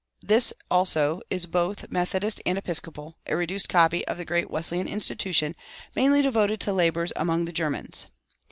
This also is both Methodist and Episcopal, a reduced copy of the great Wesleyan institution, mainly devoted to labors among the Germans.